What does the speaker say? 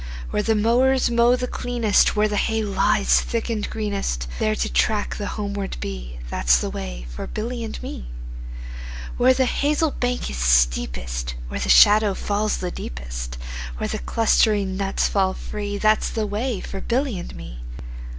Where the mowers mow the cleanest, Where the hay lies thick and greenest, 10 There to track the homeward bee, That 's the way for Billy and me. Where the hazel bank is steepest, Where the shadow falls the deepest, Where the clustering nuts fall free, 15 That 's the way for Billy and me.